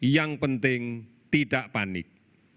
yang penting tidak panik